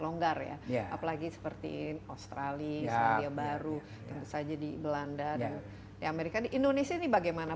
longgar ya apalagi seperti australia selandia baru tentu saja di belanda dan di amerika di indonesia ini bagaimana